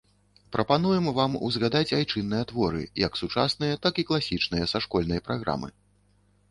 Прапануем вам узгадаць айчынныя творы, як сучасныя, так і класічныя, са школьнай праграмы.